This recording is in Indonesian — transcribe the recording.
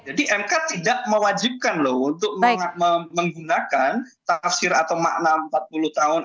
jadi mk tidak mewajibkan loh untuk menggunakan tafsir atau makna empat puluh tahun